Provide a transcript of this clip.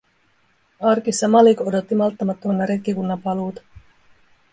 Arkissa Malik odotti malttamattomana retkikunnan paluuta.